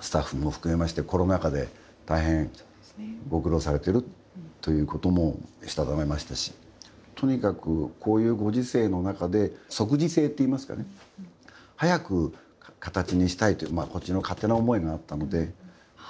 スタッフも含めましてコロナ禍で大変ご苦労されてるということも、したためましたしとにかく、こういうご時世の中で即時性っていいますかね。早く形にしたいって、まあこっちの勝手な思いがあったので。